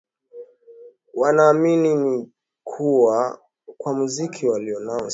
Wanaamini kuwa kwa mziki walionao kwa sasa na tizi wanalopiga huko Uturuki ni wazi